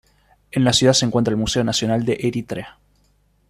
En la ciudad se encuentra el Museo Nacional de Eritrea.